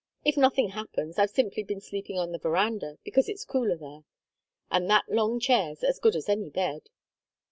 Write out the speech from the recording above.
If nothing happens, I've simply been sleeping on the verandah, because it's cooler there, and that long chair's as good as any bed.